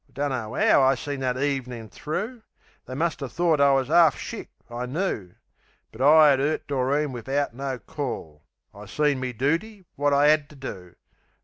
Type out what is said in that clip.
I dunno 'ow I seen that evenin' thro'. They muster thort I was 'arf shick, I knoo. But I 'ad 'urt Doreen wivout no call; I seen me dooty, wot I 'ad to do.